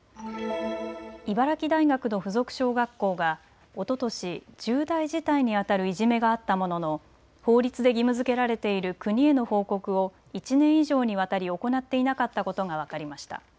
茨城大学の附属小学校が、おととし、重大事態に当たるいじめがあったものの、法律で義務づけられている国への報告を１年以上にわたり行っていなかったことが分かりました。